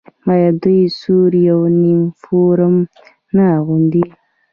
آیا دوی سور یونیفورم نه اغوندي؟